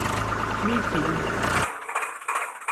mi pilin pona.